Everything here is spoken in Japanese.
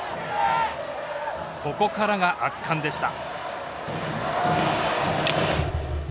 ここからが圧巻でした。